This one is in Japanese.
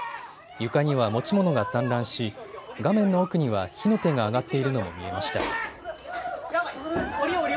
床には持ち物が散乱し画面の奥には火の手が上がっているのも見えました。